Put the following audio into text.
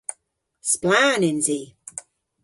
Splann yns i.